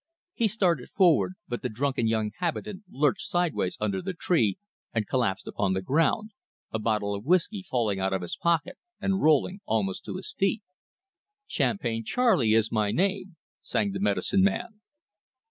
He started forward, but the drunken young habitant lurched sideways under the tree and collapsed upon the ground, a bottle of whiskey falling out of his pocket and rolling almost to his own feet. "Champagne Charlie is my name," sang the medicine man.